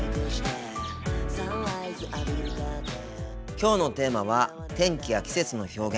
きょうのテーマは天気や季節の表現。